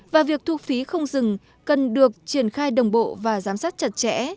và việc thu phí không dừng cần được triển khai đồng bộ và giám sát chặt chẽ